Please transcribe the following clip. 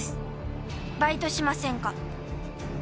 「バイトしませんか？」